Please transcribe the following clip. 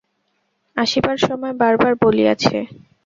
আসিবার সময় বার বার বলিয়াছে।